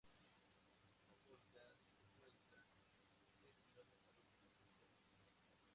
La Polka, se encuentra a seis kilómetros de la cabecera municipal.